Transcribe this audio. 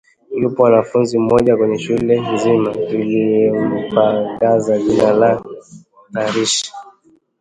Yupo mwanafunzi mmoja kwenye shule nzima tuliyempagaza jina la “tarishi